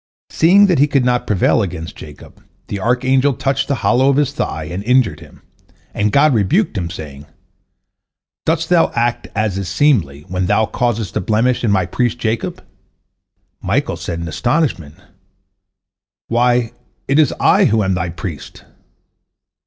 Seeing that he could not prevail against Jacob, the archangel touched the hollow of his thigh, and injured him, and God rebuked him, saying, "Dost thou act as is seemly, when thou causest a blemish in My priest Jacob?" Michael said in astonishment, "Why, it is I who am Thy priest!"